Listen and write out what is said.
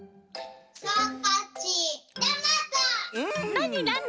なになに？